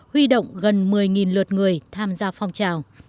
huy động gần một mươi lượt người tham gia phong trào